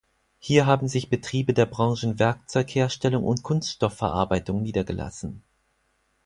Hier haben sich Betriebe der Branchen Werkzeugherstellung und Kunststoffverarbeitung niedergelassen.